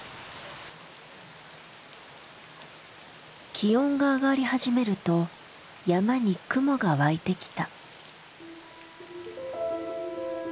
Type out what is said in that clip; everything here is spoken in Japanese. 気温が上がり始めると山に雲がわいてきた。